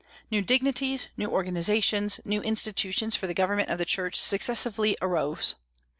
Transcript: New dignities, new organizations, new institutions for the government of the Church successively arose.